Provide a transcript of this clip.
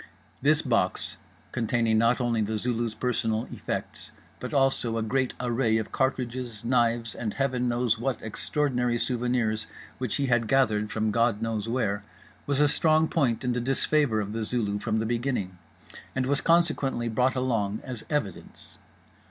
This box, containing not only The Zulu's personal effects but also a great array of cartridges, knives and heaven knows what extraordinary souvenirs which he had gathered from God knows where, was a strong point in the disfavour of The Zulu from the beginning; and was consequently brought along as evidence.